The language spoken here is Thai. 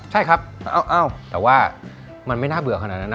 ใช่ครับเอ้าแต่ว่ามันไม่น่าเบื่อขนาดนั้นนะ